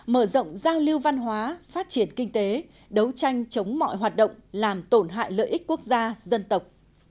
mở rộng giao lưu văn hóa phát triển kinh tế đấu tranh chống mọi hoạt động làm tổn hại lợi ích quốc gia dân tộc